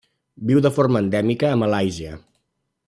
Viu de forma endèmica a Malàisia.